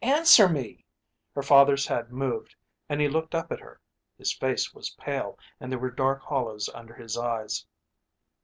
Answer me!" Her father's head moved and he looked up at her. His face was pale and there were dark hollows under his eyes.